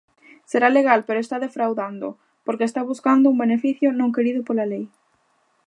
Será legal pero está defraudando, porque está buscando un beneficio non querido pola lei.